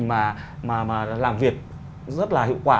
mà làm việc rất là hiệu quả